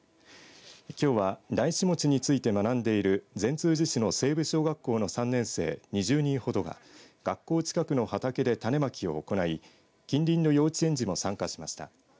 きょうはダイシモチについて学んでいる善通寺市の西部小学校の３年生２０人ほどが学校近くの畑で種まきを行い近隣の幼稚園児も参加しました。